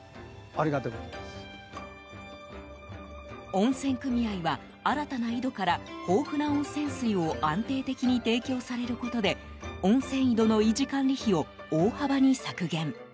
温泉組合は新たな井戸から豊富な温泉水を安定的に提供されることで温泉井戸の維持管理費を大幅に削減。